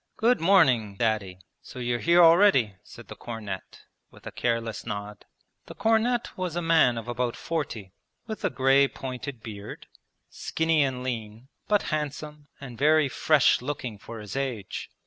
'Good morning. Daddy. So you're here already,' said the cornet, with a careless nod. The cornet was a man of about forty, with a grey pointed beard, skinny and lean, but handsome and very fresh looking for his age.